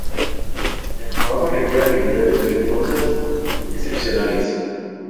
El trabajo requiere habilidades virtuosas excepcionales.